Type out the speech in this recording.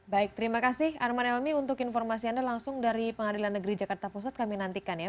baik terima kasih arman helmi untuk informasi anda langsung dari pengadilan negeri jakarta pusat kami nantikan ya